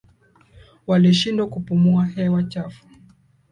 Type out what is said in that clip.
Walishindwa kupumua hewa chafu